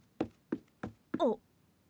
あっ。